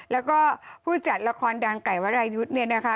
แล้วก็ผู้จัดละครดังไก่วรายุทธ์เนี่ยนะคะ